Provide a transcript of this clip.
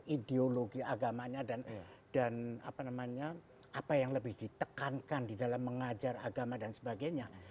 ideologi agamanya dan apa namanya apa yang lebih ditekankan di dalam mengajar agama dan sebagainya